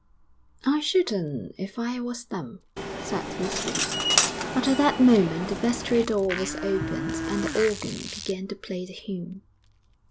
'I shouldn't if I was them,' said Miss Reed. But at that moment the vestry door was opened and the organ began to play the hymn.